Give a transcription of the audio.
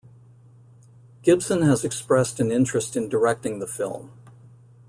Gibson has expressed an interest in directing the film.